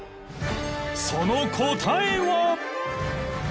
その答えは